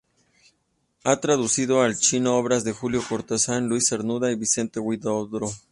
Ha traducido al chino obras de Julio Cortázar, Luis Cernuda y Vicente Huidobro.